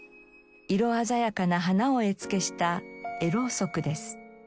色鮮やかな花を絵付けした「絵ろうそく」です。